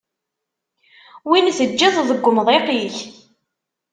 Wi teǧǧiḍ deg wemḍiq-ik?